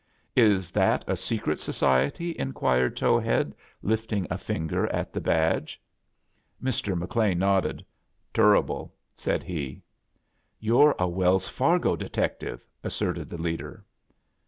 * Is that a secret society ?" inquired Tow head, lifting a finger at the badge. Mr.McLean nodded. "Turruble/'saidhe. "You're a "Wells Fargo detective," as serted the leader.